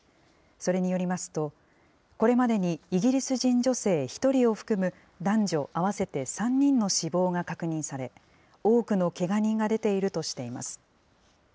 それによりますと、これまでにイギリス人女性１人を含む男女合わせて３人の死亡が確認され、多くのけが人が出ているとしています。